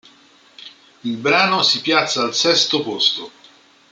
Il brano si piazza al sesto posto.